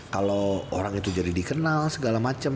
kalau orang itu jadi dikenal segala macam